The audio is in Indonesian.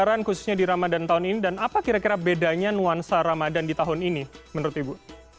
saran khususnya di ramadan tahun ini dan apa kira kira bedanya nuansa ramadan di tahun ini menurut ibu